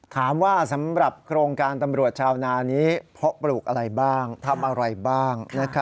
สำหรับโครงการตำรวจชาวนานี้เพาะปลูกอะไรบ้างทำอะไรบ้าง